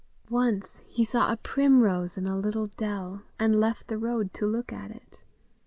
Once he saw a primrose in a little dell, and left the road to look at it.